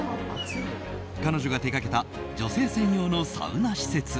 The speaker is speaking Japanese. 彼女が手掛けた女性専用のサウナ施設。